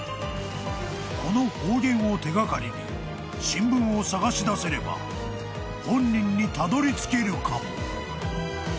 ［この方言を手掛かりに新聞を探し出せれば本人にたどりつけるかも］